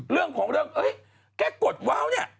เรื่องของเรื่องแค่กดว้าวเนี่ย